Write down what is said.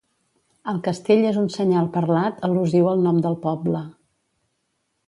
El castell és un senyal parlat al·lusiu al nom del poble.